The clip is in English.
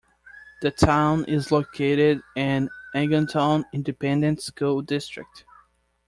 The town is located in Angleton Independent School District.